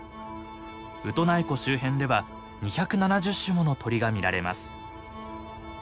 ウトナイ湖周辺では２７０種もの鳥が見られます。